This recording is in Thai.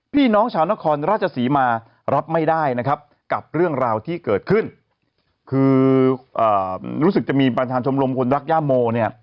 พี่น้องชาวนครราชศรีมารับไม่ได้นะครับกับเรื่องราวที่เกิดขึ้นคือรู้สึกจะมีประธานชมรมคนรักย่าโมเนี่ย